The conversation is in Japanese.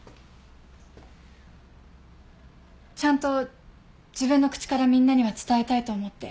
ちゃんと自分の口からみんなには伝えたいと思って。